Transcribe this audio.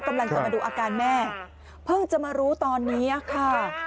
กำลังจะมาดูอาการแม่เพิ่งจะมารู้ตอนนี้ค่ะ